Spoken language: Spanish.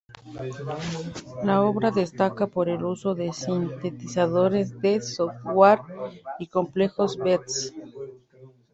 La obra destaca por el uso de sintetizadores de software y complejos beats.